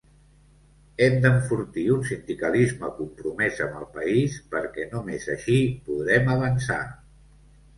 Hem d’enfortir un sindicalisme compromès amb el país perquè només així podrem avançar.